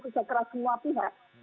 kerja keras semua pihak